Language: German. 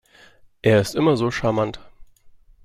Er ist immer so charmant.